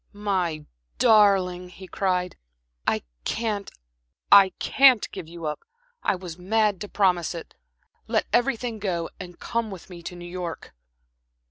"My darling," he cried "I can't I can't give you up. I was mad to promise it. Let everything go and come with me to New York."